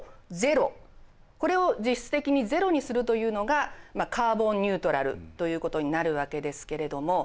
これを実質的にゼロにするというのがカーボンニュートラルということになるわけですけれども。